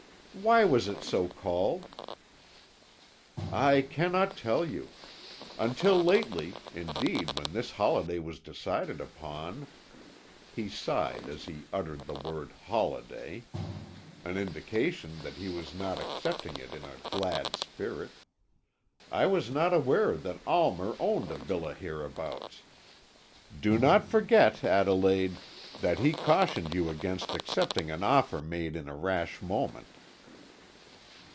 Why was it so called?" "I cannot tell you. Until lately, indeed when this holiday was decided upon" he sighed as he uttered the word "holiday"; an indication that he was not accepting it in a glad spirit "I was not aware that Almer owned a villa hereabouts. Do not forget, Adelaide, that he cautioned you against accepting an offer made in a rash moment."